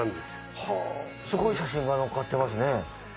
すごい写真が載っかってますね。